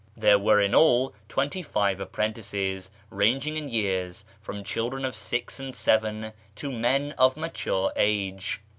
There were in all twenty five apprentices, ranging in years from children of six and seven to men of mature age.